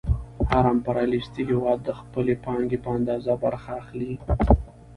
هر امپریالیستي هېواد د خپلې پانګې په اندازه برخه اخلي